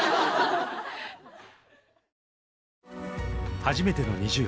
はじめてのＮｉｚｉＵ。